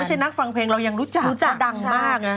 เราไม่ใช่นักฟังเพลงเรายังรู้จักเพราะดังมาก